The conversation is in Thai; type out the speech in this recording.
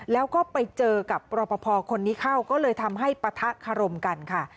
แล้วก็ไปเจอกับรอปภคนนี้เข้าก็เลยทำให้ปะทะคารมกันค่ะ